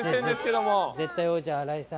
絶対王者、荒井さん。